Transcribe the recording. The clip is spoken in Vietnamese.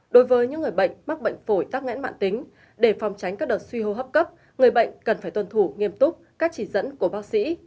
đối với những người bệnh mắc bệnh phổi tắc nghẽn mạng tính để phòng tránh các đợt suy hô hấp cấp người bệnh cần phải tuân thủ nghiêm túc các chỉ dẫn của bác sĩ